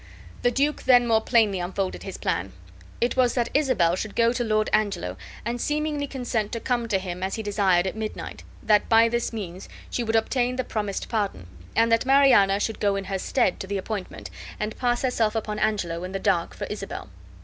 The duke then more plainly unfolded his plan. It was that Isabel should go to Lord Angelo and seemingly consent to come to him as he desired at midnight; that by this means she would obtain the promised pardon; and that Mariana should go in her stead to the appointment, and pass herself upon Angelo in the dark for Isabel.